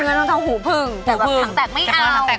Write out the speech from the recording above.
แม่บ้านประจันบัน